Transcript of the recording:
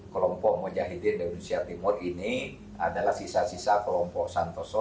kelompok mujahidin indonesia timur ini adalah sisa sisa kelompok santoso